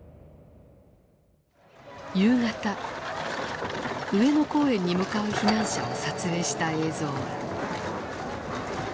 夕方上野公園に向かう避難者を撮影した映像。